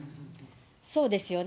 そうですよね。